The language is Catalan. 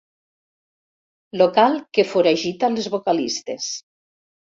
Local que foragita les vocalistes.